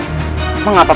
aku merasa petuh